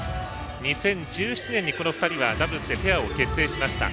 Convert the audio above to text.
２０１７年にこの２人はダブルスでペアを結成しました。